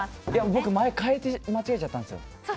僕、前変えて間違えちゃったんですよ。